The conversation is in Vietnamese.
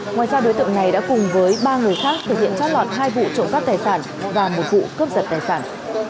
ngoài ra đối tượng này đã cùng với ba người khác thực hiện trót lọt hai vụ trộm cắp tài sản và một vụ cướp giật tài sản